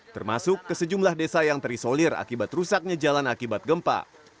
termasuk ke sejumlah desa yang terisolir akibat rusaknya jalan akibat gempa